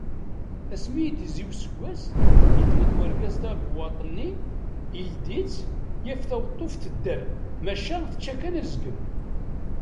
Asmi i d-yezzi useggas, yeddem-d urgaz tabewwaḍt-nni, ildi-tt, yaf taweṭṭuft tedder, maca tečča kan azgen.